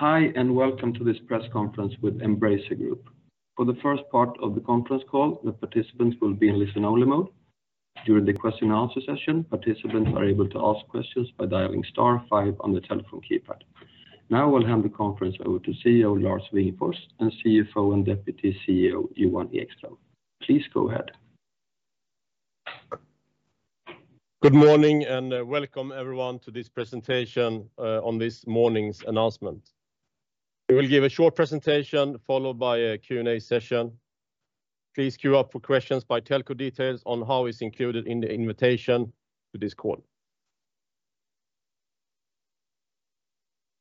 Hi, welcome to this press conference with Embracer Group. For the first part of the conference call, the participants will be in listen-only mode. During the Q&A session, participants are able to ask questions by dialing star 5 on the telephone keypad. Now, I will hand the conference over to CEO, Lars Wingefors, and CFO and Deputy CEO, Johan Ekström. Please go ahead. Good morning, and welcome everyone to this presentation on this morning's announcement. We will give a short presentation followed by a Q&A session. Please queue up for questions by telco details on how it's included in the invitation to this call.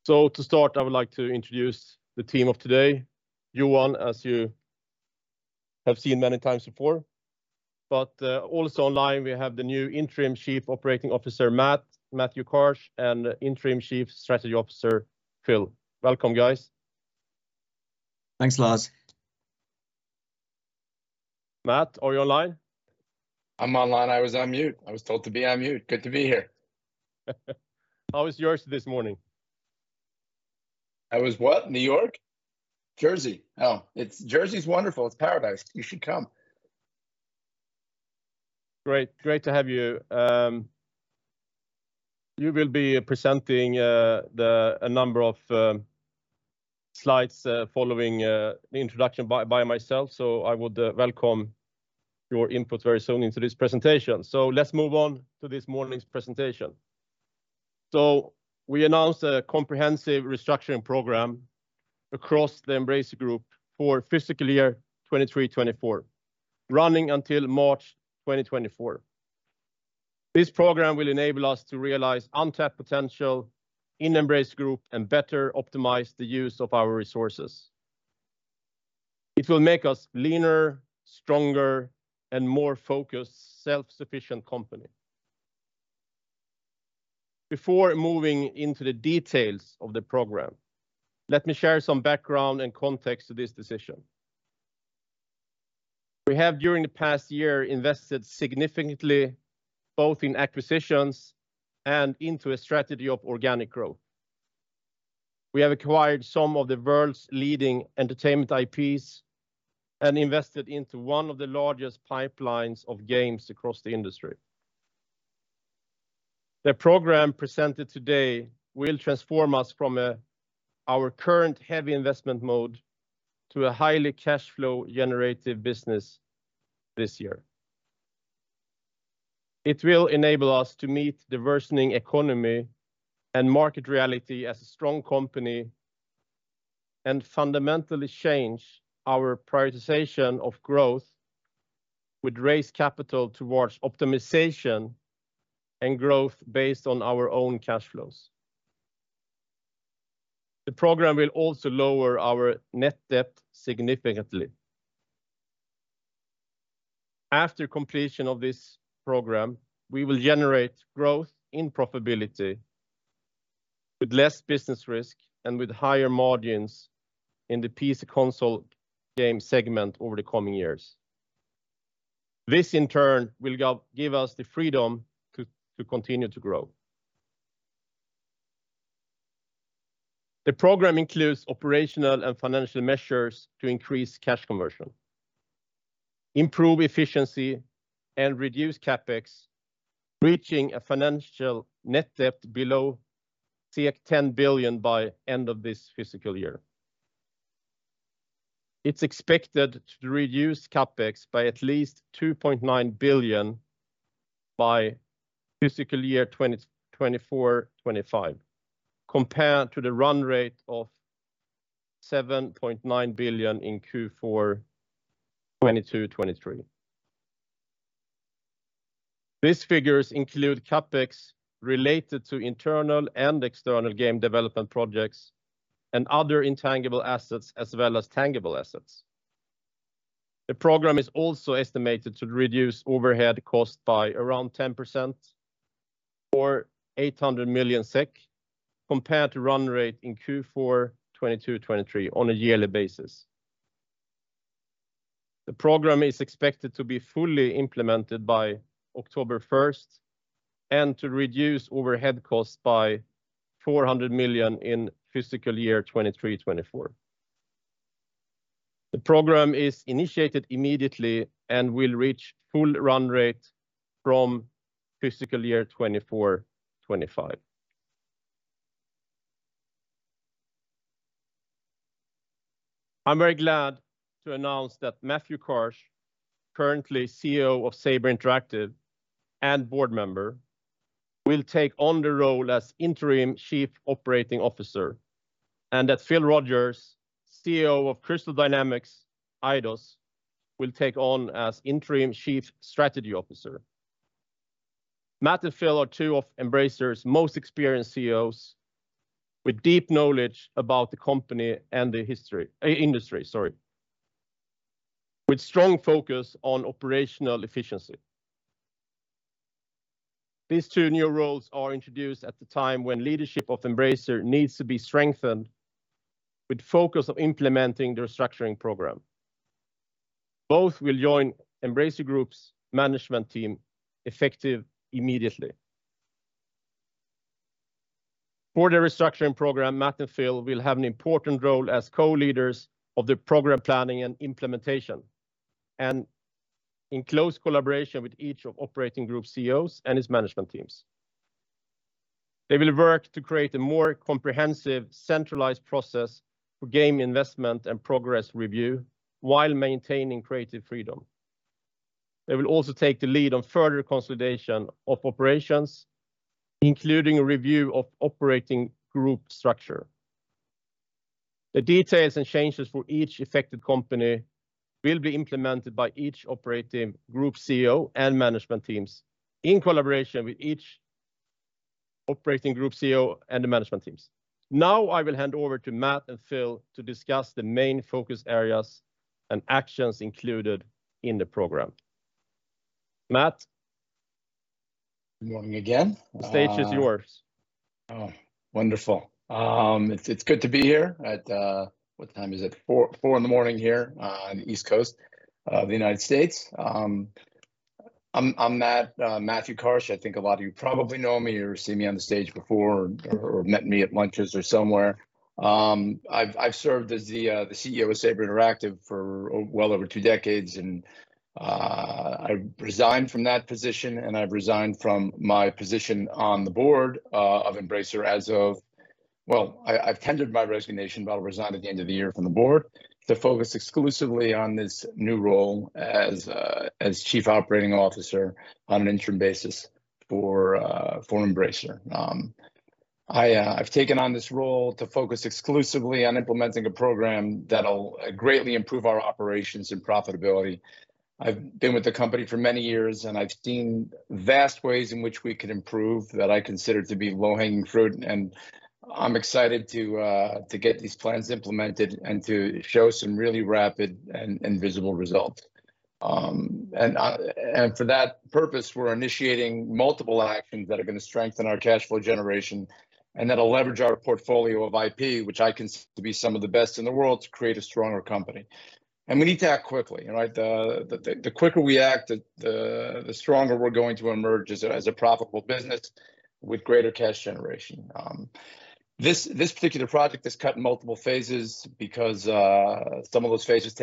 To start, I would like to introduce the team of today. Johan, as you have seen many times before, but also online, we have the new Interim Chief Operating Officer, Matthew Karch, and Interim Chief Strategy Officer, Phil. Welcome, guys. Thanks, Lars. Matt, are you online? I'm online. I was on mute. I was told to be on mute. Good to be here. How is yours this morning? I was what? New York? Jersey. Oh, Jersey is wonderful, it's paradise. You should come. Great. Great to have you. You will be presenting a number of slides following the introduction by myself. I would welcome your input very soon into this presentation. Let's move on to this morning's presentation. We announced a comprehensive restructuring program across the Embracer Group for fiscal year 2023, 2024, running until March 2024. This program will enable us to realize untapped potential in Embracer Group and better optimize the use of our resources. It will make us leaner, stronger, and more focused, self-sufficient company. Before moving into the details of the program, let me share some background and context to this decision. We have, during the past year, invested significantly, both in acquisitions and into a strategy of organic growth. We have acquired some of the world's leading entertainment IPs and invested into one of the largest pipelines of games across the industry. The program presented today will transform us from our current heavy investment mode to a highly cash flow generative business this year. It will enable us to meet the worsening economy and market reality as a strong company, and fundamentally change our prioritization of growth, with raised capital towards optimization and growth based on our own cash flows. The program will also lower our net debt significantly. After completion of this program, we will generate growth in profitability with less business risk and with higher margins in the PC console game segment over the coming years. This, in turn, will give us the freedom to continue to grow. The program includes operational and financial measures to increase cash conversion, improve efficiency, and reduce CapEx, reaching a financial net debt below 10 billion by end of this fiscal year. It's expected to reduce CapEx by at least 2.9 billion by fiscal year 2024, 2025, compared to the run rate of 7.9 billion in Q4 2022, 2023. These figures include CapEx related to internal and external game development projects and other intangible assets, as well as tangible assets. The program is also estimated to reduce overhead cost by around 10%, or 800 million SEK, compared to run rate in Q4 2022, 2023 on a yearly basis. The program is expected to be fully implemented by October 1st, and to reduce overhead costs by 400 million in fiscal year 2023, 2024. The program is initiated immediately and will reach full run rate from fiscal year 2024, 2025. I'm very glad to announce that Matthew Karch, currently CEO of Saber Interactive and board member, will take on the role as interim Chief Operating Officer, and that Phil Rogers, CEO of Crystal Dynamics - Eidos, will take on as interim Chief Strategy Officer. Matt and Phil are two of Embracer's most experienced CEOs, with deep knowledge about the company and the history, industry, sorry, with strong focus on operational efficiency. These two new roles are introduced at the time when leadership of Embracer needs to be strengthened, with focus on implementing the restructuring program. Both will join Embracer Group's management team effective immediately. For the restructuring program, Matt and Phil will have an important role as co-leaders of the program planning and implementation, and in close collaboration with each of operating group CEOs and its management teams. They will work to create a more comprehensive, centralized process for game investment and progress review, while maintaining creative freedom. They will also take the lead on further consolidation of operations, including a review of operating group structure. The details and changes for each affected company will be implemented by each operating group CEO and management teams, in collaboration with each operating group CEO and the management teams. I will hand over to Matt and Phil to discuss the main focus areas and actions included in the program. Matt? Good morning again. The stage is yours. Oh, wonderful. It's good to be here at what time is it? Four in the morning here on the East Coast of the United States. I'm Matt, Matthew Karch. I think a lot of you probably know me or seen me on the stage before or met me at lunches or somewhere. I've served as the CEO of Saber Interactive for well over 2 decades, and I resigned from that position, and I've resigned from my position on the board of Embracer as of... Well, I've tendered my resignation. I'll resign at the end of the year from the board to focus exclusively on this new role as Chief Operating Officer on an interim basis for Embracer. I've taken on this role to focus exclusively on implementing a program that'll greatly improve our operations and profitability. I've been with the company for many years, I've seen vast ways in which we could improve that I consider to be low-hanging fruit, and I'm excited to get these plans implemented and to show some really rapid and visible results. For that purpose, we're initiating multiple actions that are gonna strengthen our cash flow generation and that'll leverage our portfolio of IP, which I consider to be some of the best in the world, to create a stronger company. We need to act quickly, right? The quicker we act, the stronger we're going to emerge as a profitable business with greater cash generation. This particular project is cut in multiple phases because some of those phases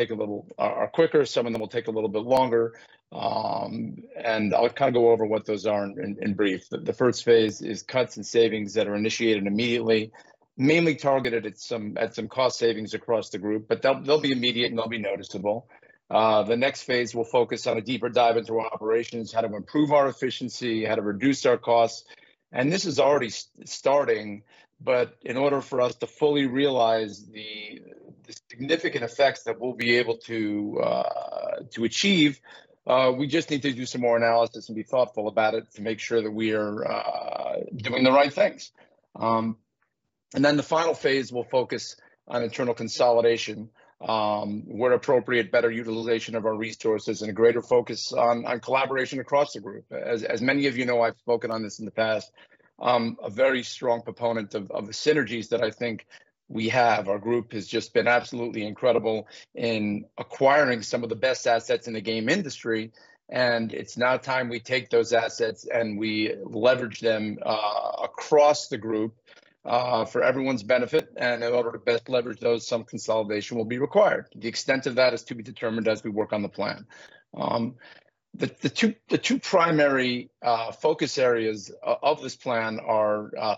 are quicker, some of them will take a little bit longer. I'll kind of go over what those are in brief. The first phase is cuts and savings that are initiated immediately, mainly targeted at some cost savings across the group, but they'll be immediate, and they'll be noticeable. The next phase will focus on a deeper dive into our operations, how to improve our efficiency, how to reduce our costs, and this is already starting. In order for us to fully realize the significant effects that we'll be able to achieve, we just need to do some more analysis and be thoughtful about it to make sure that we are doing the right things. Then the final phase will focus on internal consolidation, where appropriate, better utilization of our resources, and a greater focus on collaboration across the group. As many of you know, I've spoken on this in the past, I'm a very strong proponent of the synergies that I think we have. Our group has just been absolutely incredible in acquiring some of the best assets in the game industry, it's now time we take those assets, and we leverage them across the group for everyone's benefit. In order to best leverage those, some consolidation will be required. The extent of that is to be determined as we work on the plan. The two primary focus areas of this plan are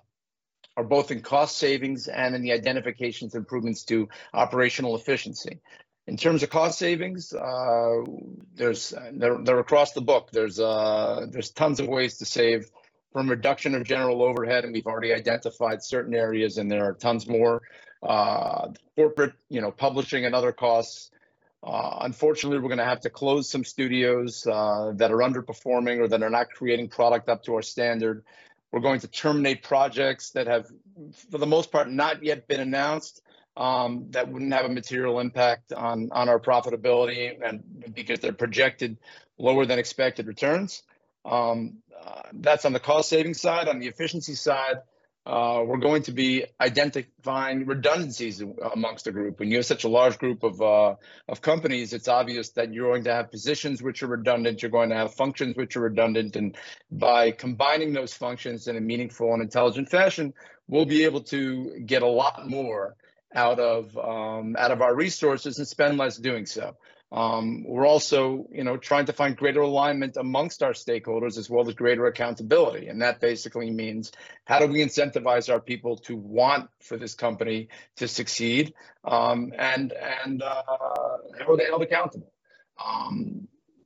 both in cost savings and in the identifications improvements to operational efficiency. In terms of cost savings, they're across the book. There's tons of ways to save, from reduction of general overhead, and we've already identified certain areas, and there are tons more. Corporate, you know, publishing and other costs, unfortunately, we're gonna have to close some studios that are underperforming or that are not creating product up to our standard. We're going to terminate projects that have, for the most part, not yet been announced, that wouldn't have a material impact on our profitability and because they're projected lower than expected returns. That's on the cost-saving side. On the efficiency side, we're going to be identifying redundancies amongst the group. When you have such a large group of companies, it's obvious that you're going to have positions which are redundant. You're going to have functions which are redundant, and by combining those functions in a meaningful and intelligent fashion, we'll be able to get a lot more out of, out of our resources and spend less doing so. We're also, you know, trying to find greater alignment amongst our stakeholders, as well as greater accountability. That basically means: How do we incentivize our people to want for this company to succeed, and how are they held accountable?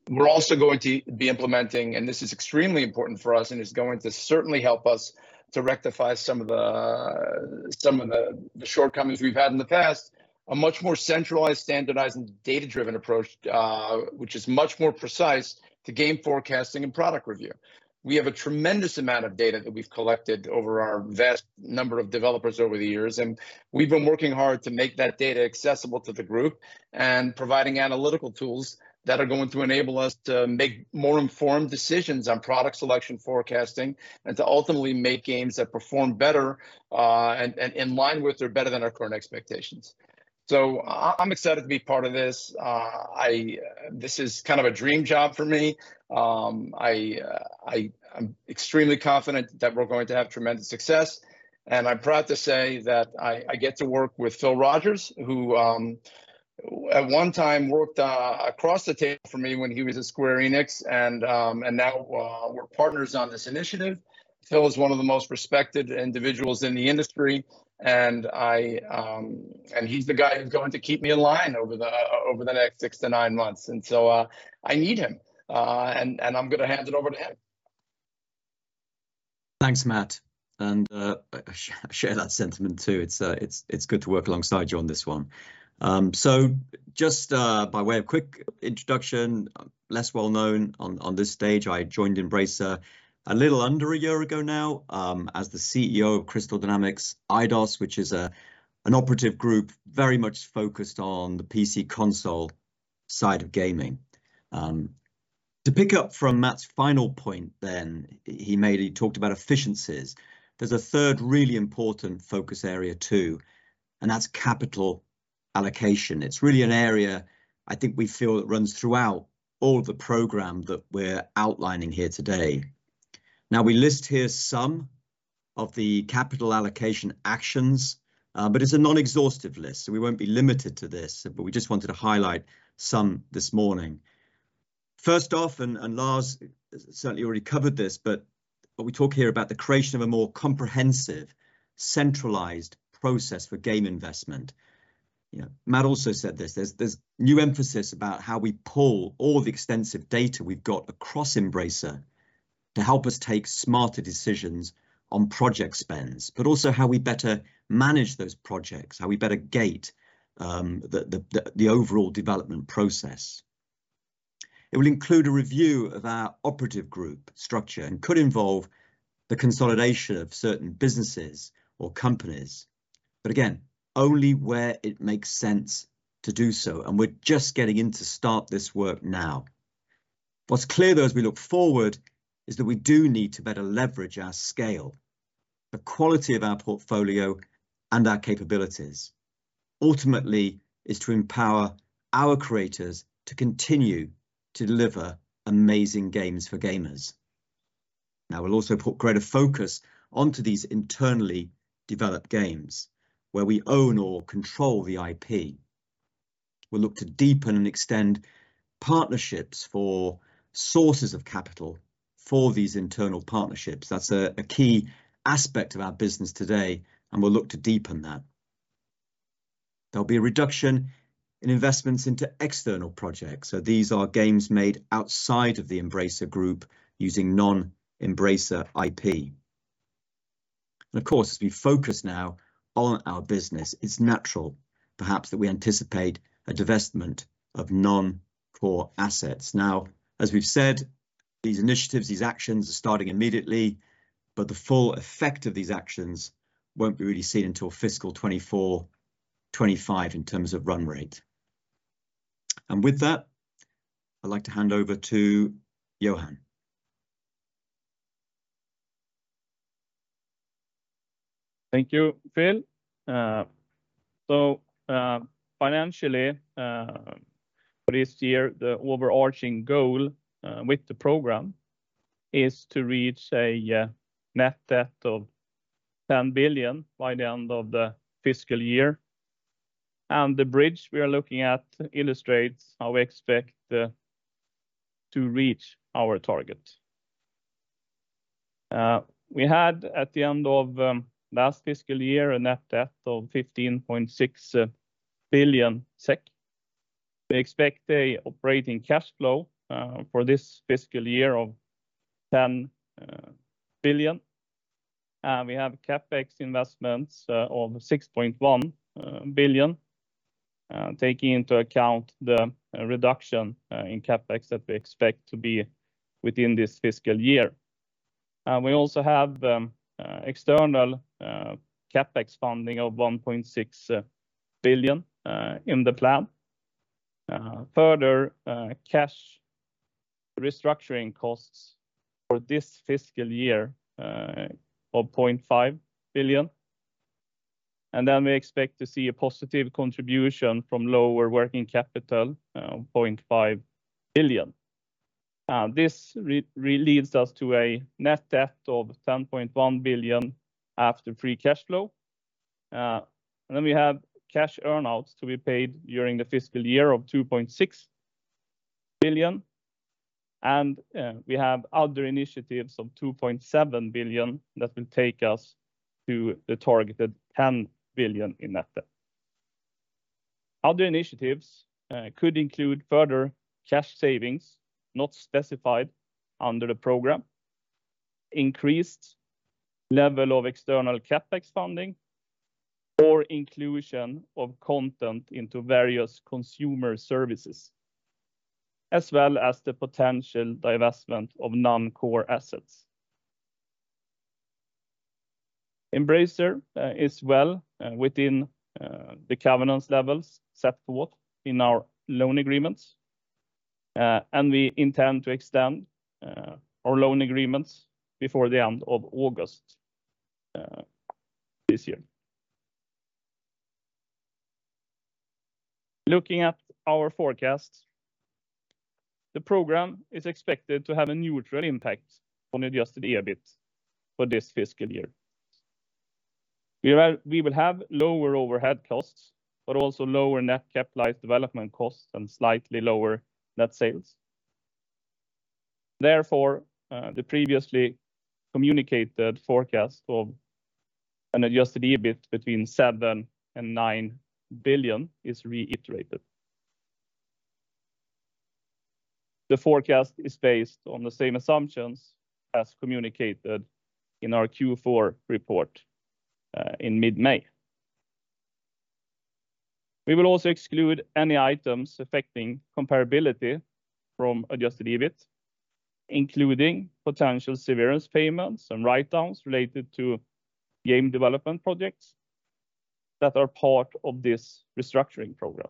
We're also going to be implementing, this is extremely important for us and is going to certainly help us to rectify some of the shortcomings we've had in the past, a much more centralized, standardized, and data-driven approach, which is much more precise to game forecasting and product review. We have a tremendous amount of data that we've collected over our vast number of developers over the years, and we've been working hard to make that data accessible to the group and providing analytical tools that are going to enable us to make more informed decisions on product selection forecasting and to ultimately make games that perform better, and in line with or better than our current expectations. I'm excited to be part of this. This is kind of a dream job for me. I'm extremely confident that we're going to have tremendous success, and I'm proud to say that I get to work with Phil Rogers, who at one time worked across the table from me when he was at Square Enix, and now we're partners on this initiative. Phil is one of the most respected individuals in the industry. He's the guy who's going to keep me in line over the next six to nine months. I need him, and I'm gonna hand it over to him. Thanks, Matt, and I share that sentiment, too. It's, it's good to work alongside you on this one. Just by way of quick introduction, less well known on this stage, I joined Embracer a little under a year ago now, as the CEO of Crystal Dynamics - Eidos, which is an operative group very much focused on the PC console side of gaming. To pick up from Matt's final point then he made, he talked about efficiencies. There's a third really important focus area, too, and that's capital allocation. It's really an area I think we feel it runs throughout all the program that we're outlining here today. We list here some of the capital allocation actions, but it's a non-exhaustive list, so we won't be limited to this, but we just wanted to highlight some this morning. First off, Lars certainly already covered this, but we talk here about the creation of a more comprehensive, centralized process for game investment. You know, Matt also said this, there's new emphasis about how we pull all the extensive data we've got across Embracer to help us take smarter decisions on project spends, but also how we better manage those projects, how we better gate the overall development process. It will include a review of our operative group structure and could involve the consolidation of certain businesses or companies. Again, only where it makes sense to do so, and we're just getting in to start this work now. What's clear, though, as we look forward, is that we do need to better leverage our scale, the quality of our portfolio, and our capabilities. Ultimately, is to empower our creators to continue to deliver amazing games for gamers. We'll also put greater focus onto these internally developed games where we own or control the IP. We'll look to deepen and extend partnerships for sources of capital for these internal partnerships. That's a key aspect of our business today, and we'll look to deepen that. There'll be a reduction in investments into external projects, so these are games made outside of the Embracer Group, using non-Embracer IP. Of course, as we focus now on our business, it's natural, perhaps, that we anticipate a divestment of non-core assets. As we've said, these initiatives, these actions are starting immediately, but the full effect of these actions won't be really seen until fiscal 2024, 2025, in terms of run rate. With that, I'd like to hand over to Johan. Thank you, Phil. Financially, for this year, the overarching goal with the program is to reach a net debt of 10 billion by the end of the fiscal year. The bridge we are looking at illustrates how we expect to reach our target. We had, at the end of last fiscal year, a net debt of 15.6 billion SEK. We expect a operating cash flow for this fiscal year of 10 billion. We have CapEx investments of 6.1 billion, taking into account the reduction in CapEx that we expect to be within this fiscal year. We also have external CapEx funding of 1.6 billion in the plan. Further, cash restructuring costs for this fiscal year, of 0.5 billion. We expect to see a positive contribution from lower working capital, of 0.5 billion. This leads us to a net debt of 10.1 billion after free cash flow. Then we have cash earn-outs to be paid during the fiscal year of 2.6 billion, and we have other initiatives of 2.7 billion that will take us to the targeted 10 billion in net debt. Other initiatives could include further cash savings, not specified under the program, increased level of external CapEx funding, or inclusion of content into various consumer services, as well as the potential divestment of non-core assets. Embracer is well within the covenants levels set forth in our loan agreements, and we intend to extend our loan agreements before the end of August this year. The program is expected to have a neutral impact on adjusted EBIT for this fiscal year. We will have lower overhead costs, but also lower net capitalized development costs and slightly lower net sales. The previously communicated forecast of an adjusted EBIT between 7 billion and 9 billion is reiterated. The forecast is based on the same assumptions as communicated in our Q4 report in mid-May. We will also exclude any items affecting comparability from adjusted EBIT, including potential severance payments and write-downs related to game development projects that are part of this restructuring program.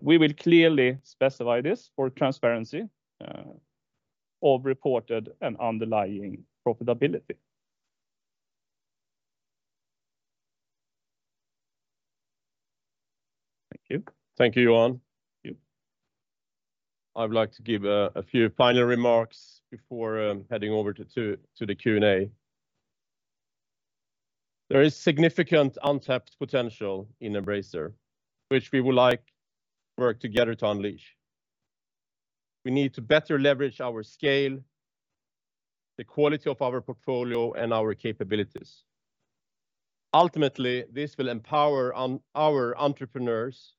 We will clearly specify this for transparency of reported and underlying profitability. Thank you. Thank you, Johan. Thank you. I would like to give a few final remarks before heading over to the Q&A. There is significant untapped potential in Embracer, which we would like work together to unleash. We need to better leverage our scale, the quality of our portfolio, and our capabilities. Ultimately, this will empower our entrepreneurs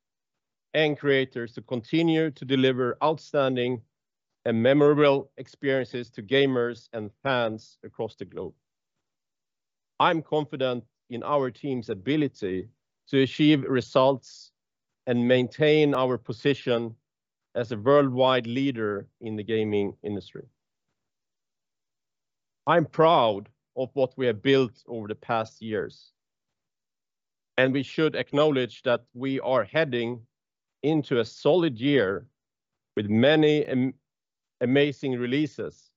and creators to continue to deliver outstanding and memorable experiences to gamers and fans across the globe. I'm confident in our team's ability to achieve results and maintain our position as a worldwide leader in the gaming industry. I'm proud of what we have built over the past years, and we should acknowledge that we are heading into a solid year with many amazing releases,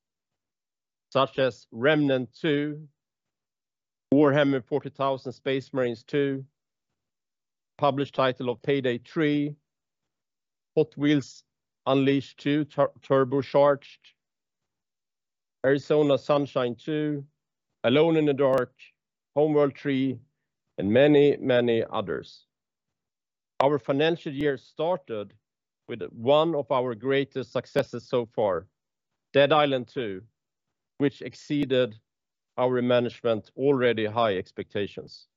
such as Remnant II, Warhammer 40,000: Space Marine 2, published title of Payday 3, Hot Wheels Unleashed 2 - Turbocharged, Arizona Sunshine 2, Alone in the Dark, Homeworld 3, and many, many others. Our financial year started with one of our greatest successes so far, Dead Island 2, which exceeded our management's already high expectations.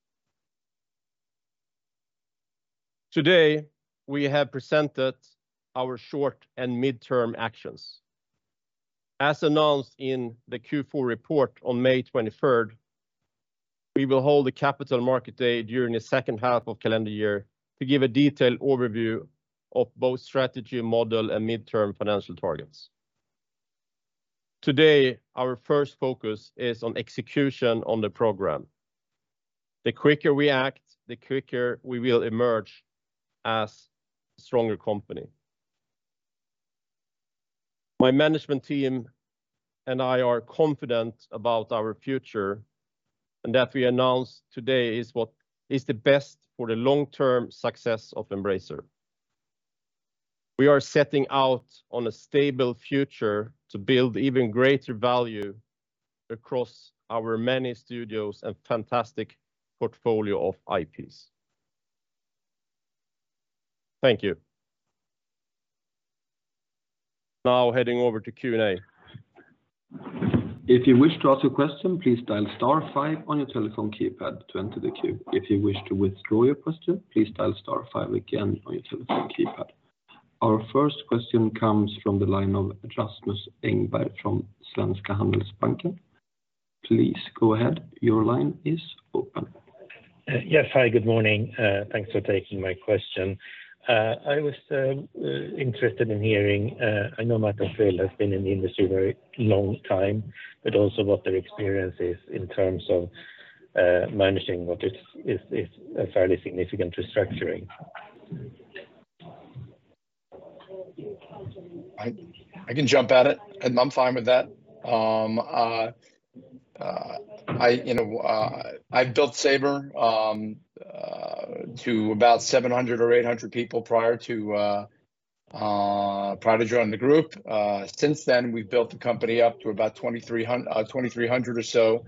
Today, we have presented our short and midterm actions. As announced in the Q4 report on May 23rd, we will hold a capital markets day during the second half of calendar year to give a detailed overview of both strategy, model, and midterm financial targets. Today, our first focus is on execution on the program. The quicker we act, the quicker we will emerge as a stronger company. My management team and I are confident about our future, and that we announced today is what is the best for the long-term success of Embracer. We are setting out on a stable future to build even greater value across our many studios and fantastic portfolio of IPs. Thank you. Now heading over to Q&A. If you wish to ask a question, please dial star five on your telephone keypad to enter the queue. If you wish to withdraw your question, please dial star five again on your telephone keypad. Our first question comes from the line of Rasmus Engberg from Svenska Handelsbanken. Please go ahead. Your line is open. Yes, hi, good morning. Thanks for taking my question. I was interested in hearing, I know Matt and Phil have been in the industry a very long time, but also what their experience is in terms of managing what is a fairly significant restructuring. I can jump at it, and I'm fine with that. I, you know, I've built Saber to about 700 or 800 people prior to joining the group. Since then, we've built the company up to about 2,300 or so.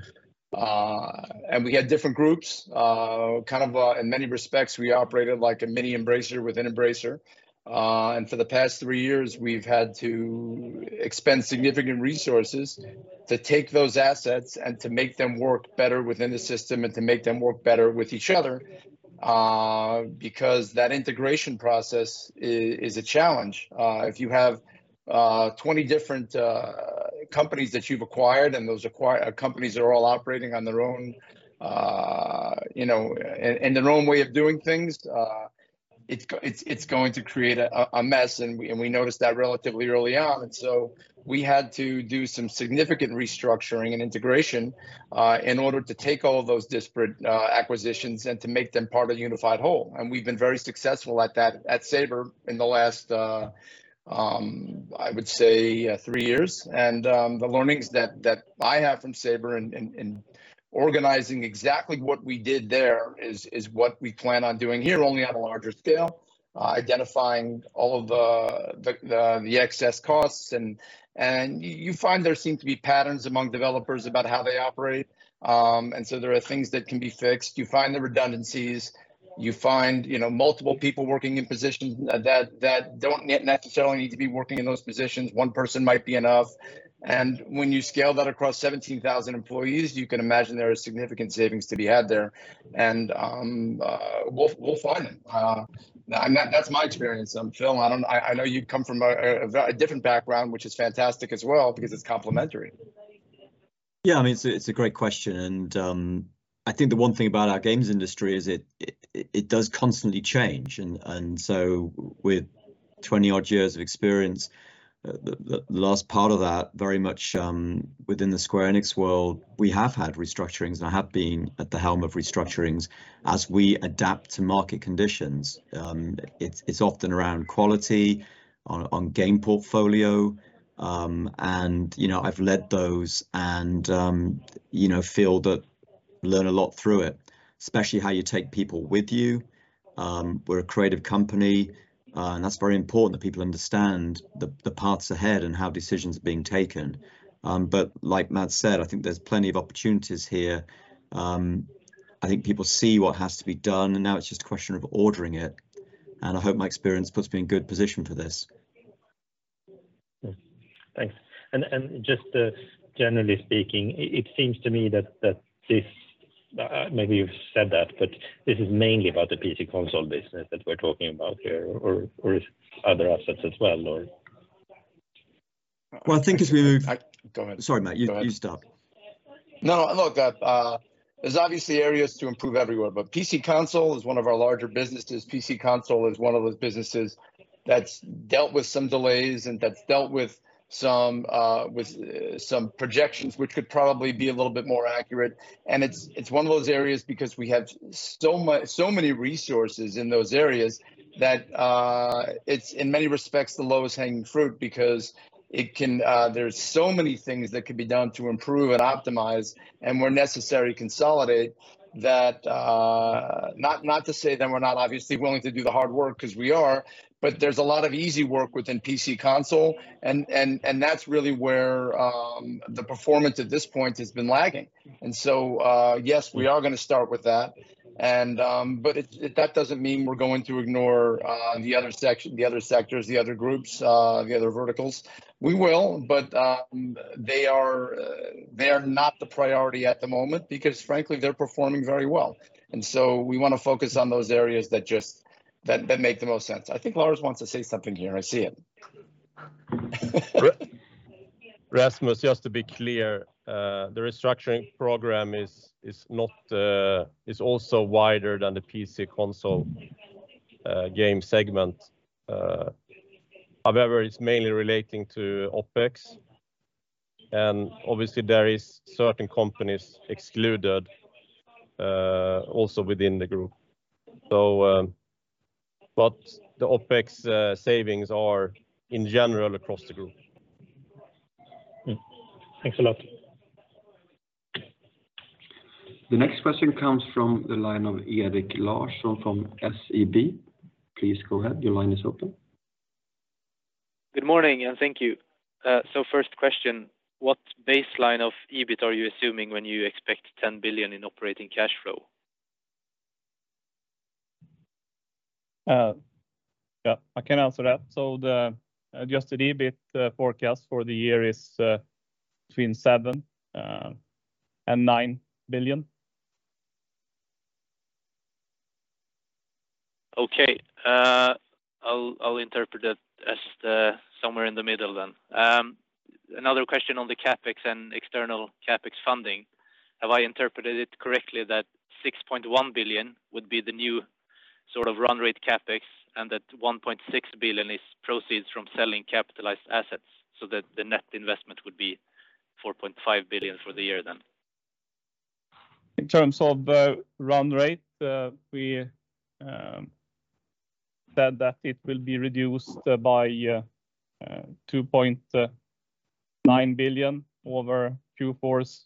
We had different groups. Kind of, in many respects, we operated like a mini Embracer within Embracer. For the past three years, we've had to expend significant resources to take those assets and to make them work better within the system and to make them work better with each other, because that integration process is a challenge. If you have 20 different companies that you've acquired, and those companies are all operating on their own, you know, and their own way of doing things, it's going to create a mess, and we noticed that relatively early on. We had to do some significant restructuring and integration in order to take all of those disparate acquisitions and to make them part of a unified whole, and we've been very successful at that at Saber in the last year-... I would say, 3 years. The learnings that I have from Saber and organizing exactly what we did there is what we plan on doing here, only on a larger scale. Identifying all of the excess costs and you find there seem to be patterns among developers about how they operate. There are things that can be fixed. You find the redundancies, you find, you know, multiple people working in positions that don't necessarily need to be working in those positions. One person might be enough. When you scale that across 17,000 employees, you can imagine there are significant savings to be had there, and we'll find them. Now, that's my experience, Phil, I know you come from a very different background, which is fantastic as well because it's complementary. I mean, it's a great question. I think the one thing about our games industry is it does constantly change. With 20-odd years of experience, the last part of that very much within the Square Enix world, we have had restructurings, and I have been at the helm of restructurings as we adapt to market conditions. It's often around quality, on game portfolio. You know, I've led those and, you know, feel that learn a lot through it, especially how you take people with you. We're a creative company, that's very important that people understand the paths ahead and how decisions are being taken. Like Matt said, I think there's plenty of opportunities here. I think people see what has to be done, and now it's just a question of ordering it, and I hope my experience puts me in good position for this. Thanks. Just, generally speaking, it seems to me that this, maybe you've said that, but this is mainly about the PC console business that we're talking about here, or is other assets as well, or? Well, I think as. I, go ahead. Sorry, Matt, you start. No, no, look, there's obviously areas to improve everywhere, but PC console is one of our larger businesses. PC console is one of those businesses that's dealt with some delays and that's dealt with some with some projections, which could probably be a little bit more accurate. It's one of those areas because we have so many resources in those areas that it's in many respects, the lowest hanging fruit because it can. There's so many things that could be done to improve and optimize, and where necessary, consolidate, that not to say that we're not obviously willing to do the hard work, 'cause we are, but there's a lot of easy work within PC console, that's really where the performance at this point has been lagging. Yes, we are going to start with that, but it, that doesn't mean we're going to ignore the other sectors, the other groups, the other verticals. We will, but they are not the priority at the moment because frankly, they're performing very well. We want to focus on those areas that just make the most sense. I think Lars wants to say something here. I see him. Rasmus, just to be clear, the restructuring program is not also wider than the PC console game segment. It's mainly relating to OpEx, and obviously there is certain companies excluded also within the group. The OpEx savings are, in general, across the group. Mm. Thanks a lot. The next question comes from the line of Erik Larsson from SEB. Please go ahead. Your line is open. Good morning, thank you. First question: what baseline of EBIT are you assuming when you expect 10 billion in operating cash flow? Yeah, I can answer that. The adjusted EBIT forecast for the year is between 7 billion and 9 billion. I'll interpret it as somewhere in the middle then. Another question on the CapEx and external CapEx funding. Have I interpreted it correctly that 6.1 billion would be the new sort of run rate CapEx, and that 1.6 billion is proceeds from selling capitalized assets, so that the net investment would be 4.5 billion for the year then? In terms of run rate, we said that it will be reduced by 2.9 billion over Q4's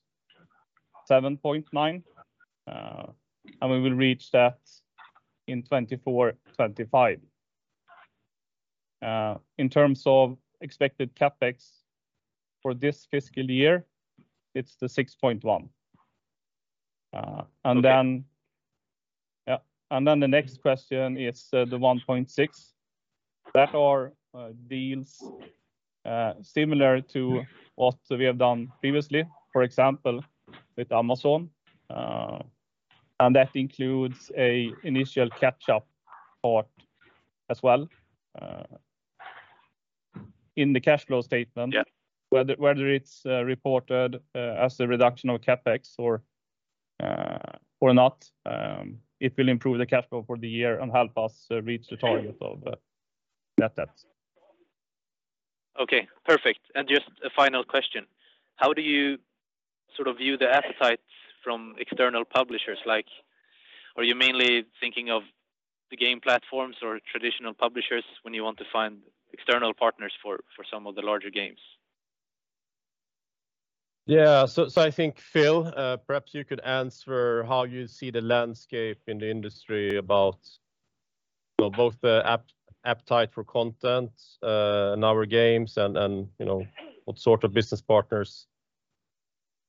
7.9 billion. We will reach that in 2024, 2025. In terms of expected CapEx for this fiscal year, it's the 6.1 billion. Okay. Yeah, and then the next question is, the 1.6. That are deals similar to what we have done previously, for example, with Amazon. And that includes a initial catch-up part as well, in the cash flow statement. Yeah. Whether it's reported as a reduction of CapEx or or not, it will improve the cash flow for the year and help us reach the target of net debt. Okay, perfect. Just a final question: How do you sort of view the appetite from external publishers or you're mainly thinking of the game platforms or traditional publishers when you want to find external partners for some of the larger games? Yeah, I think, Phil, perhaps you could answer how you see the landscape in the industry about, well, both the appetite for content, and our games and, you know, what sort of business partners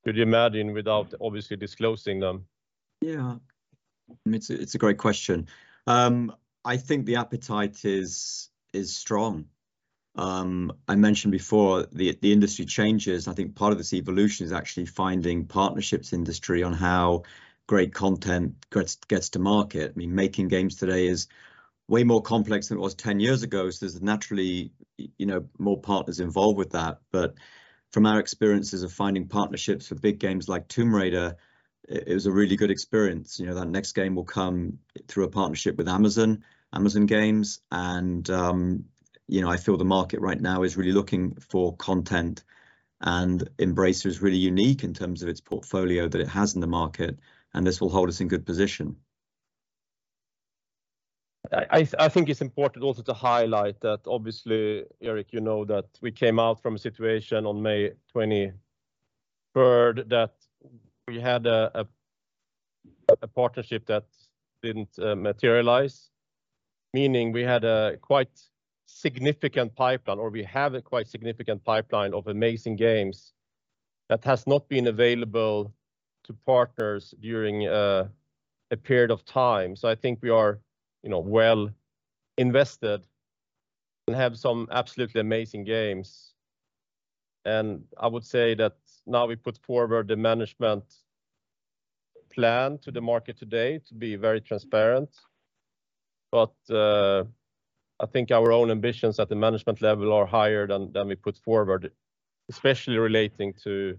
could you imagine without obviously disclosing them? It's a great question. I think the appetite is strong. I mentioned before, the industry changes. I think part of this evolution is actually finding partnerships industry on how great content gets to market. I mean, making games today is way more complex than it was 10 years ago, there's naturally, you know, more partners involved with that. From our experiences of finding partnerships for big games like Tomb Raider, it was a really good experience. You know, that next game will come through a partnership with Amazon Games, and you know, I feel the market right now is really looking for content, and Embracer is really unique in terms of its portfolio that it has in the market, and this will hold us in good position. I think it's important also to highlight that obviously, Erik, you know that we came out from a situation on May 23rd, that we had a partnership that didn't materialize. We had a quite significant pipeline, or we have a quite significant pipeline of amazing games that has not been available to partners during a period of time. I think we are, you know, well-invested and have some absolutely amazing games, and I would say that now we put forward the management plan to the market today to be very transparent. I think our own ambitions at the management level are higher than we put forward, especially relating to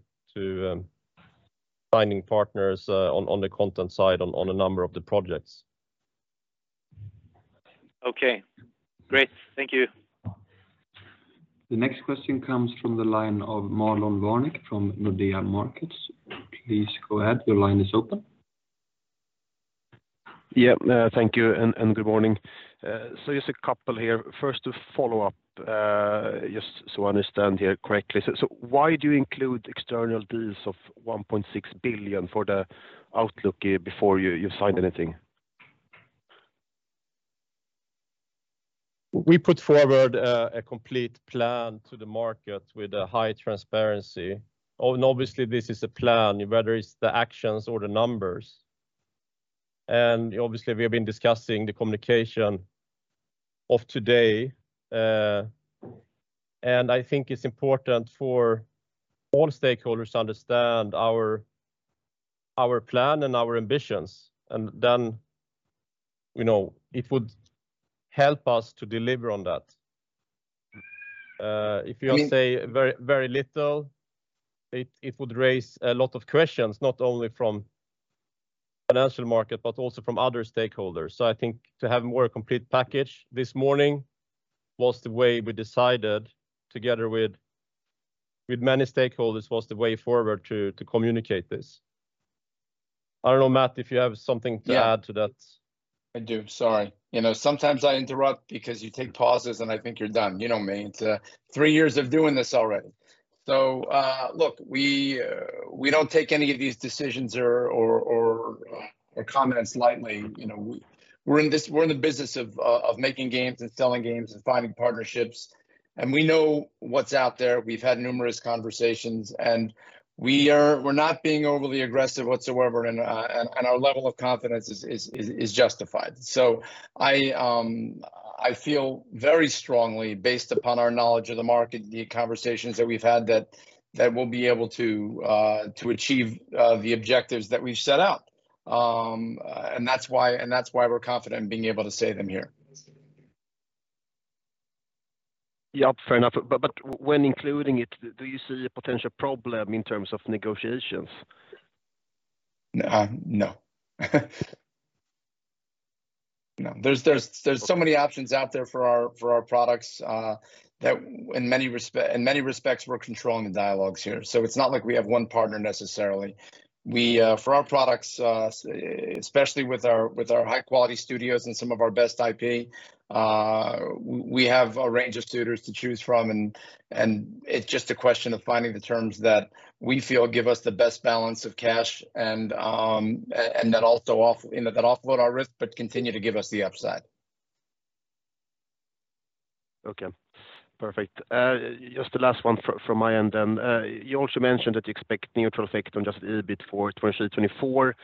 finding partners on the content side on a number of the projects. Okay, great. Thank you. The next question comes from the line of Marlon Värnik from Nordea Markets. Please go ahead. Your line is open. Yeah, thank you, and good morning. Just a couple here. First, to follow up, just so I understand here correctly, why do you include external deals of 1.6 billion for the outlook before you sign anything? We put forward a complete plan to the market with a high transparency. Obviously, this is a plan, whether it's the actions or the numbers. Obviously, we have been discussing the communication of today. I think it's important for all stakeholders to understand our plan and our ambitions, and then, you know, it would help us to deliver on that. If you say very, very little, it would raise a lot of questions, not only from financial market, but also from other stakeholders. I think to have a more complete package this morning was the way we decided together with many stakeholders, was the way forward to communicate this. I don't know, Matt, if you have something. Yeah. to add to that. I do. Sorry. You know, sometimes I interrupt because you take pauses, and I think you're done. You know me, it's 3 years of doing this already. Look, we don't take any of these decisions or comment slightly, you know, we're in the business of making games and selling games and finding partnerships, and we know what's out there. We've had numerous conversations, we're not being overly aggressive whatsoever, and our level of confidence is justified. I feel very strongly based upon our knowledge of the market, the conversations that we've had, that we'll be able to achieve the objectives that we've set out. That's why we're confident in being able to say them here. Yeah, fair enough, but when including it, do you see a potential problem in terms of negotiations? No. No, there's so many options out there for our products that in many respects, we're controlling the dialogues here. It's not like we have one partner necessarily. We for our products, especially with our high-quality studios and some of our best IP, we have a range of suitors to choose from, and it's just a question of finding the terms that we feel give us the best balance of cash and that also, you know, that offload our risk, but continue to give us the upside. Okay, perfect. just the last one from my end then. You also mentioned that you expect neutral effect on adjusted EBIT for 2024,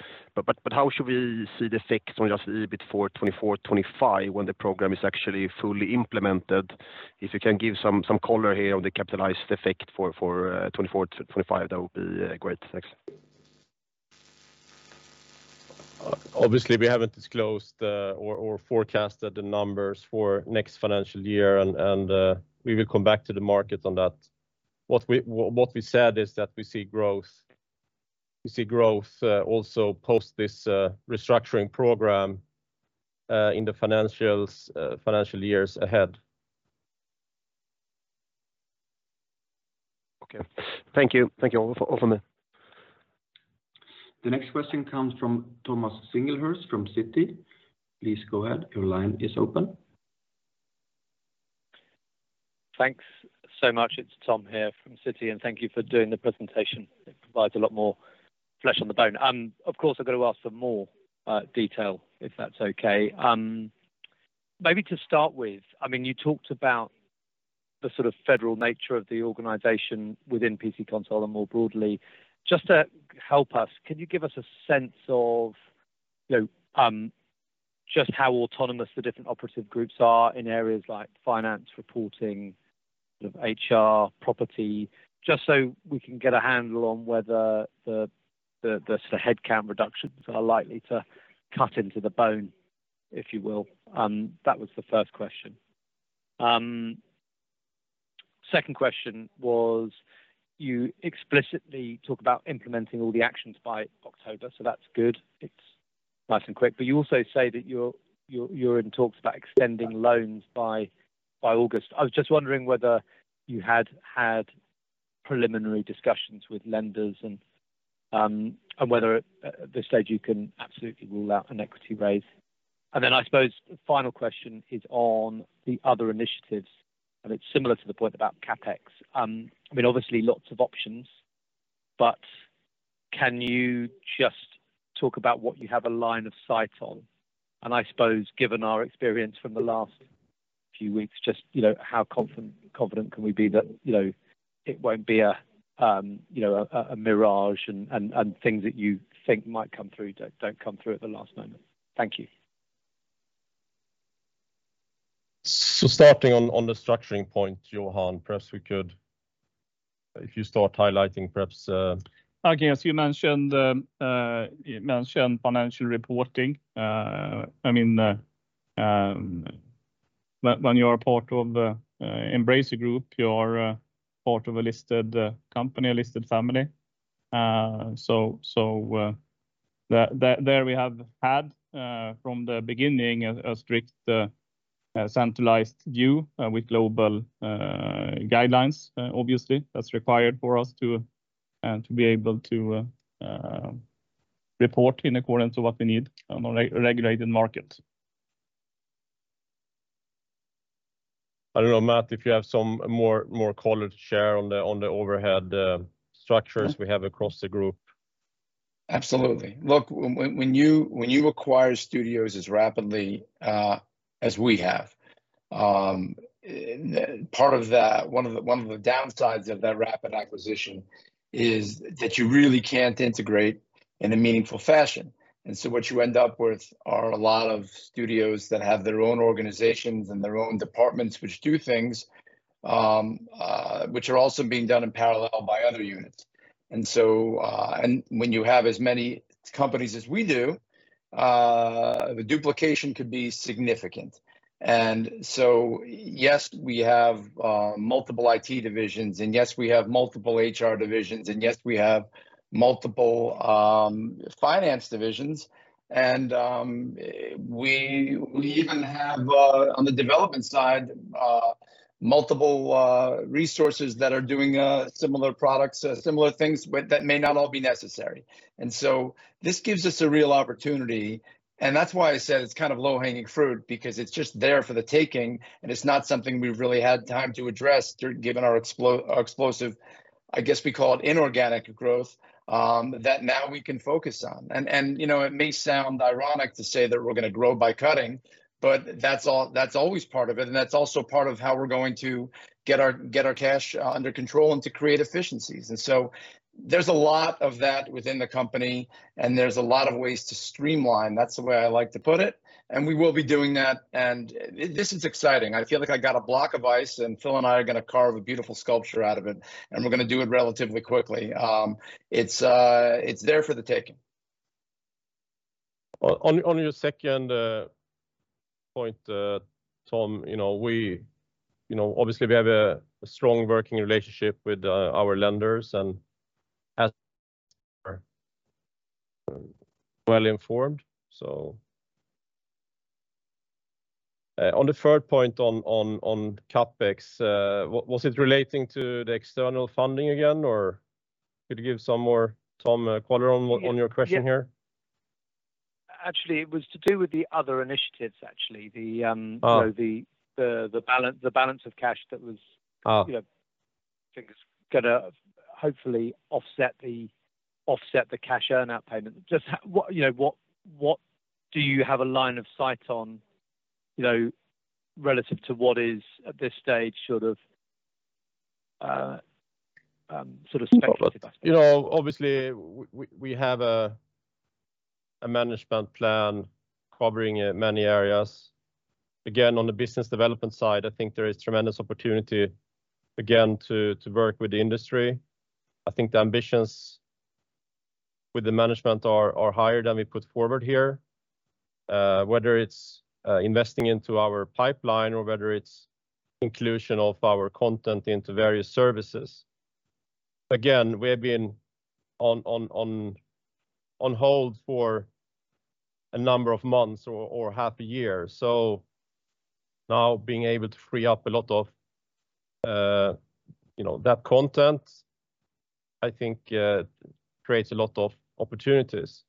how should we see the effect on adjusted EBIT for 2024, 2025 when the program is actually fully implemented? If you can give some color here on the capitalized effect for 2024-2025, that would be great. Thanks. Obviously, we haven't disclosed, or forecasted the numbers for next financial year. We will come back to the market on that. What we said is that we see growth, also post this restructuring program, in the financial years ahead. Thank you. Thank you, over me. The next question comes from Thomas Singlehurst from Citi. Please go ahead. Your line is open. Thanks so much. It's Tom here from Citi. Thank you for doing the presentation. It provides a lot more flesh on the bone. Of course, I've got to ask for more detail, if that's okay. Maybe to start with, I mean, you talked about the sort of federal nature of the organization within PC Console and more broadly. Just to help us, can you give us a sense of, you know, just how autonomous the different operative groups are in areas like finance reporting, sort of HR, property? Just so we can get a handle on whether the head count reductions are likely to cut into the bone, if you will. That was the first question. Second question was, you explicitly talk about implementing all the actions by October. That's good. It's nice and quick. You also say that you're in talks about extending loans by August. I was just wondering whether you had preliminary discussions with lenders and whether at this stage you can absolutely rule out an equity raise. I suppose the final question is on the other initiatives, and it's similar to the point about CapEx. I mean, obviously, lots of options, but can you just talk about what you have a line of sight on? I suppose, given our experience from the last few weeks, just, you know, how confident can we be that, you know, it won't be a mirage and things that you think might come through don't come through at the last moment? Thank you. Starting on the structuring point, Johan, if you start highlighting, perhaps. Okay, as you mentioned, you mentioned financial reporting. I mean, when you are part of the Embracer Group, you are part of a listed company, a listed family. That there we have had from the beginning a strict centralized view with global guidelines. Obviously, that's required for us to be able to report in accordance with what we need on a re-regulated market. I don't know, Matt, if you have some more color to share on the, on the overhead structures we have across the group. Absolutely. Look, when you acquire studios as rapidly as we have, part of that, one of the downsides of that rapid acquisition is that you really can't integrate in a meaningful fashion. What you end up with are a lot of studios that have their own organizations and their own departments, which do things, which are also being done in parallel by other units. When you have as many companies as we do, the duplication could be significant. Yes, we have multiple IT divisions, and yes, we have multiple HR divisions, and yes, we have multiple finance divisions, and we even have on the development side, multiple resources that are doing similar products, similar things, but that may not all be necessary. This gives us a real opportunity, and that's why I said it's kind of low-hanging fruit because it's just there for the taking, and it's not something we've really had time to address explosive, I guess we call it inorganic growth, that now we can focus on. You know, it may sound ironic to say that we're gonna grow by cutting, but that's always part of it, and that's also part of how we're going to get our cash under control and to create efficiencies. There's a lot of that within the company, and there's a lot of ways to streamline. That's the way I like to put it, and we will be doing that, and this is exciting. I feel like I got a block of ice, and Phil and I are gonna carve a beautiful sculpture out of it, and we're gonna do it relatively quickly. It's there for the taking. Well, on your second point, Tom, you know, obviously, we have a strong working relationship with our lenders and as well informed, so. On the third point on CapEx, was it relating to the external funding again, or could you give some more, Tom, color on your question here? Yeah. Actually, it was to do with the other initiatives, actually. Oh. the balance of cash. Oh You know, think it's gonna hopefully offset the cash earn-out payment. Just what, you know, what do you have a line of sight on, you know, relative to what is, at this stage, sort of speculative? You know, obviously, we have a management plan covering many areas. Again, on the business development side, I think there is tremendous opportunity, again, to work with the industry. I think the ambitions with the management are higher than we put forward here. Whether it's investing into our pipeline or whether it's inclusion of our content into various services. Again, we have been on hold for a number of months or half a year, now being able to free up a lot of, you know, that content, I think, creates a lot of opportunities.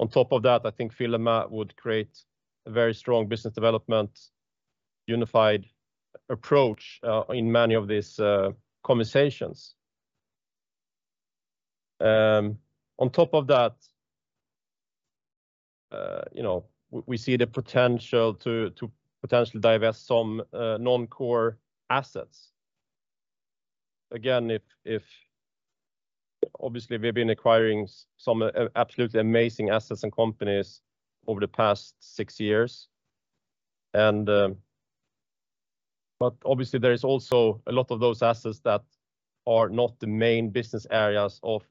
On top of that, I think Phil and Matt would create a very strong business development unified approach in many of these conversations. On top of that, you know, we see the potential to potentially divest some non-core assets. Again, if obviously we've been acquiring some absolutely amazing assets and companies over the past 6 years, and, but obviously there is also a lot of those assets that are not the main business areas of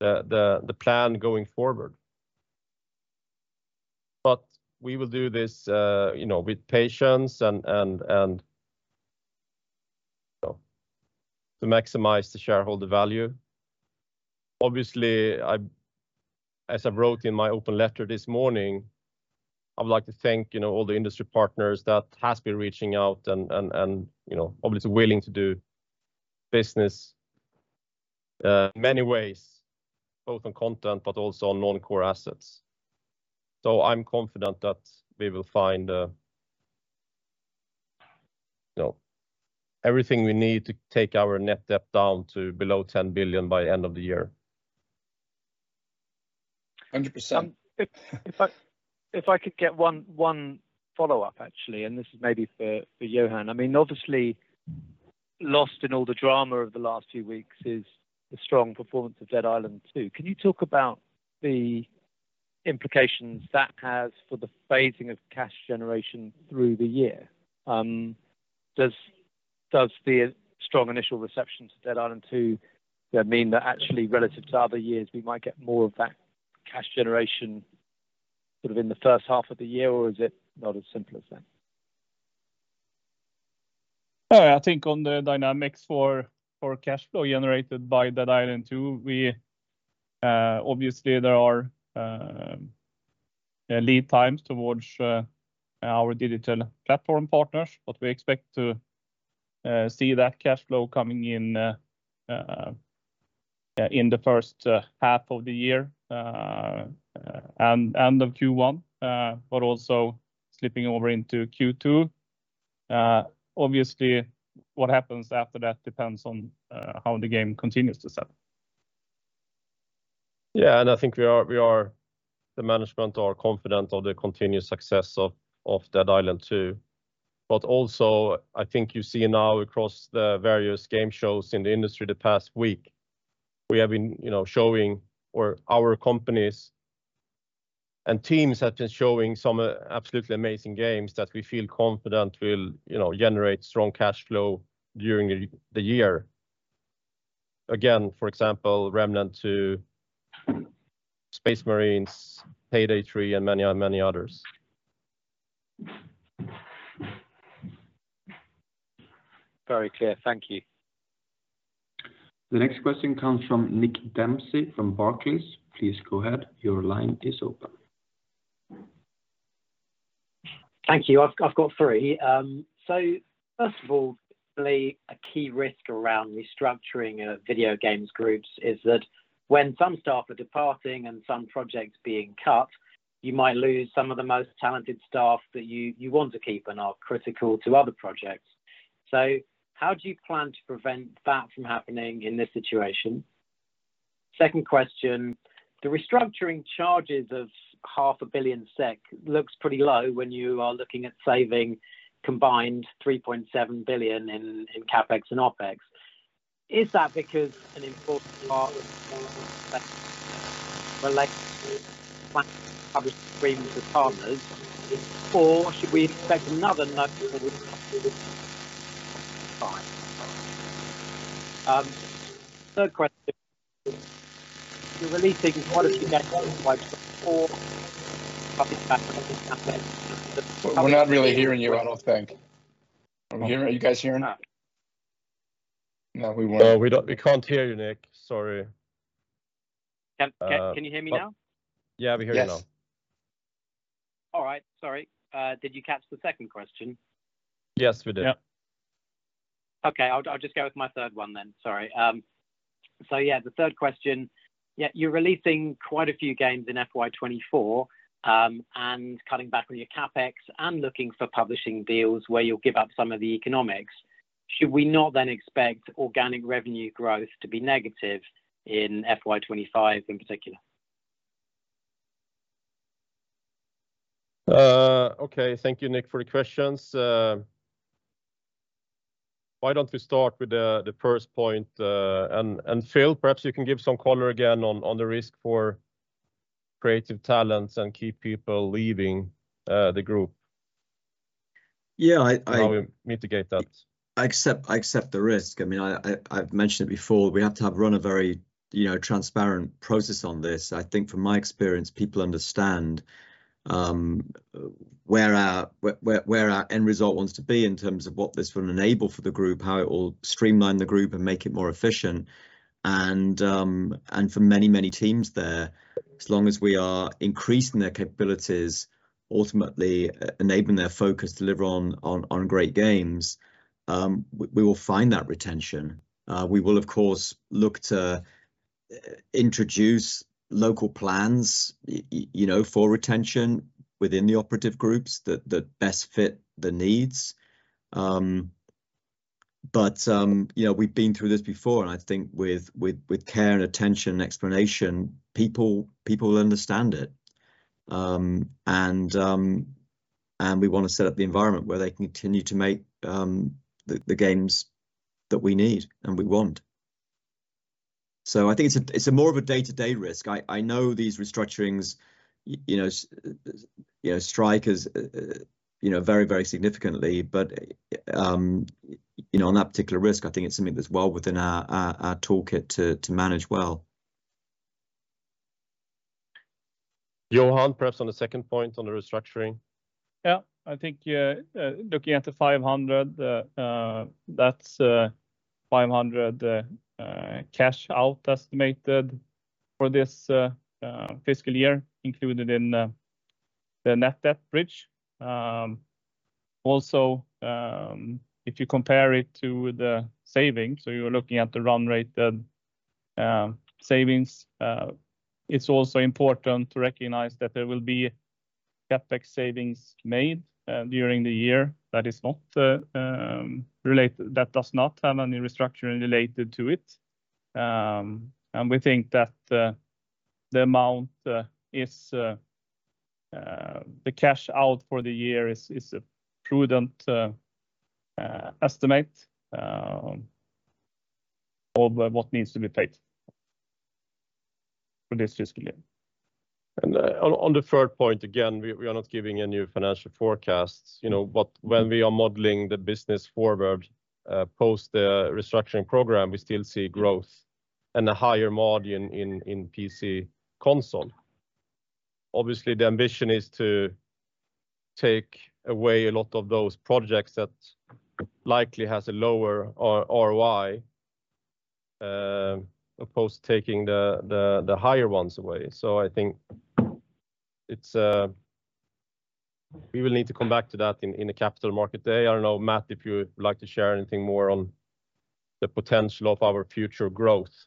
the plan going forward. We will do this, you know, with patience and so to maximize the shareholder value. Obviously, as I wrote in my open letter this morning, I would like to thank, you know, all the industry partners that has been reaching out and, you know, obviously willing to do business in many ways, both on content, but also on non-core assets. I'm confident that we will find, you know, everything we need to take our net debt down to below 10 billion by end of the year. 100%. If I could get one follow-up, actually, this is maybe for Johan. I mean, obviously, lost in all the drama of the last few weeks is the strong performance of Dead Island 2. Can you talk about the implications that has for the phasing of cash generation through the year? Does the strong initial reception to Dead Island 2 mean that actually relative to other years, we might get more of that cash generation sort of in the first half of the year, or is it not as simple as that? I think on the dynamics for cash flow generated by Dead Island 2, we obviously there are lead times towards our digital platform partners, but we expect to see that cash flow coming in in the first half of the year, and end of Q1, but also slipping over into Q2. Obviously, what happens after that depends on how the game continues to sell. I think we are, the management are confident of the continued success of Dead Island 2. Also, I think you see now across the various game shows in the industry the past week, we have been, you know, showing, or our companies and teams have been showing some absolutely amazing games that we feel confident will, you know, generate strong cash flow during the year. Again, for example, Remnant II, Space Marines, Payday 3, and many others. Very clear. Thank you. The next question comes from Nick Dempsey from Barclays. Please go ahead. Your line is open. Thank you. I've got three. First of all, a key risk around restructuring of video games groups is that when some staff are departing and some projects being cut, you might lose some of the most talented staff that you want to keep and are critical to other projects. How do you plan to prevent that from happening in this situation? Second question, the restructuring charges of half a billion SEK looks pretty low when you are looking at saving combined 3.7 billion in CapEx and OpEx. Is that because an important part of related partners, or should we expect another note? Third question, you're releasing quite a few games- We're not really hearing you, I don't think. I'm hearing... Are you guys hearing? No, we won't. No, we can't hear you, Nick. Sorry. Can you hear me now? Yeah, we hear you now. Yes. All right. Sorry, did you catch the second question? Yes, we did. Yep. Okay, I'll just go with my third one then. Sorry. The third question, you're releasing quite a few games in FY 2024, and cutting back on your CapEx, and looking for publishing deals where you'll give up some of the economics. Should we not expect organic revenue growth to be negative in FY 2025 in particular? Okay. Thank you, Nick, for the questions. Why don't we start with the first point, and Phil, perhaps you can give some color again on the risk for creative talents and key people leaving the group. Yeah. I. How we mitigate that. I accept the risk. I mean, I've mentioned it before, we have to have run a very, you know, transparent process on this. I think from my experience, people understand where our end result wants to be in terms of what this would enable for the group, how it will streamline the group and make it more efficient. For many teams there, as long as we are increasing their capabilities, ultimately, enabling their focus to deliver on great games, we will find that retention. We will, of course, look to introduce local plans, you know, for retention within the operative groups that best fit the needs. You know, we've been through this before, and I think with care and attention and explanation, people will understand it. We want to set up the environment where they continue to make the games that we need and we want. I think it's a more of a day-to-day risk. I know these restructurings, you know, strike us, you know, very significantly, but, you know, on that particular risk, I think it's something that's well within our toolkit to manage well. Johan, perhaps on the second point on the restructuring. I think, yeah, looking at the 500, that's 500 cash out estimated for this fiscal year, included in the net debt bridge. If you compare it to the savings, so you're looking at the run rate, the savings, it's also important to recognize that there will be CapEx savings made during the year that is not that does not have any restructuring related to it. We think that the amount is the cash out for the year is a prudent estimate of what needs to be paid for this fiscal year. on the third point, again, we are not giving any financial forecasts, you know, but when we are modeling the business forward, post the restructuring program, we still see growth and a higher margin in PC console. Obviously, the ambition is to take away a lot of those projects that likely has a lower ROI, opposed to taking the higher ones away. I think it's. We will need to come back to that in the capital markets day. I don't know, Matt, if you would like to share anything more on the potential of our future growth?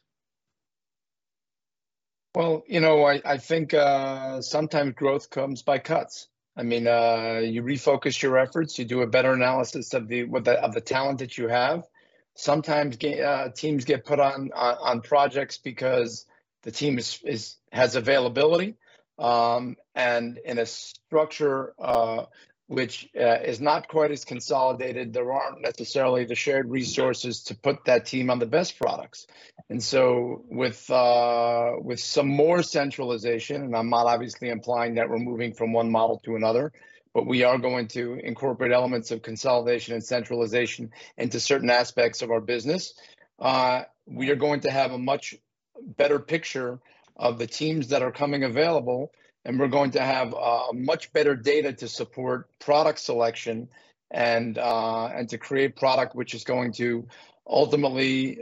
Well, you know, I think sometimes growth comes by cuts. I mean, you refocus your efforts. You do a better analysis of the talent that you have. Sometimes teams get put on projects because the team is has availability. In a structure which is not quite as consolidated, there aren't necessarily the shared resources. Mm-hmm... to put that team on the best products. With some more centralization, and I'm not obviously implying that we're moving from one model to another, but we are going to incorporate elements of consolidation and centralization into certain aspects of our business, we are going to have a much better picture of the teams that are coming available, and we're going to have much better data to support product selection and to create product, which is going to ultimately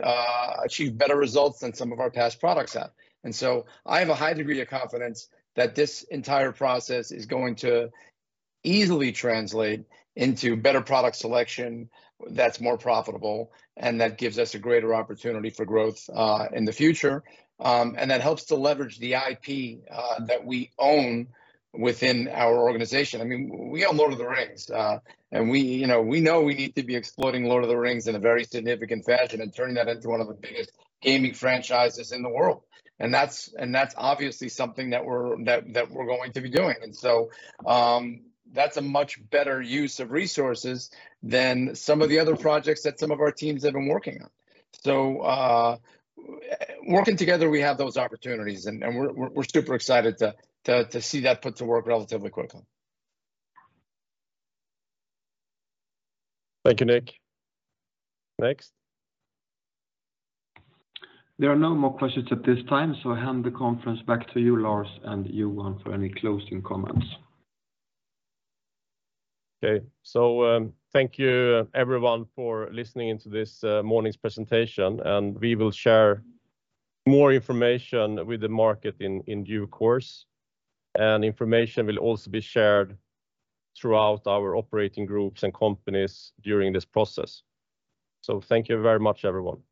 achieve better results than some of our past products have. I have a high degree of confidence that this entire process is going to easily translate into better product selection that's more profitable, and that gives us a greater opportunity for growth in the future. That helps to leverage the IP that we own within our organization. I mean, we own The Lord of the Rings, you know, we know we need to be exploring The Lord of the Rings in a very significant fashion and turning that into one of the biggest gaming franchises in the world. That's obviously something that we're going to be doing. That's a much better use of resources than some of the other projects that some of our teams have been working on. Working together, we have those opportunities, and we're super excited to see that put to work relatively quickly. Thank you, Nick. Next? There are no more questions at this time, so I hand the conference back to you, Lars, and Johan for any closing comments. Okay, thank you, everyone, for listening to this morning's presentation, and we will share more information with the market in due course. Information will also be shared throughout our operating groups and companies during this process. Thank you very much, everyone.